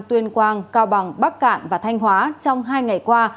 tuyên quang cao bằng bắc cạn và thanh hóa trong hai ngày qua